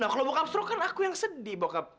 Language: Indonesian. nah kalo bokap stroke kan aku yang sedih bokap